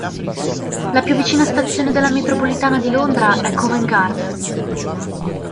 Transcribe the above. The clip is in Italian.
La più vicina stazione della metropolitana di Londra è Covent Garden.